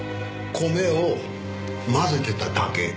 米を混ぜてただけ。